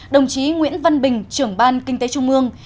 đồng chí nguyễn văn bình trưởng ban kinh tế trung ương